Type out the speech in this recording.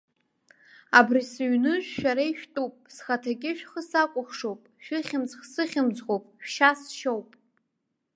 Абри сыҩныжә шәара ишәтәуп, схаҭагьы шәхы сакәыхшоуп, шәыхьымӡӷ сыхьмыӡӷуп, шәшьа сшьоуп!